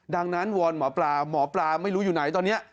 ดังนั้นวอนหมอปลาหมอปลาไม่รู้อยู่ไหนตอนนี้